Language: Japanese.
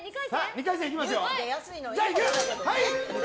２回戦いきますよ。